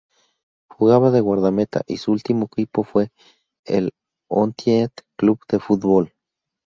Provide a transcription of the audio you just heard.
Jugaba de guardameta, y su último equipo fue el Ontinyent Club de Futbol.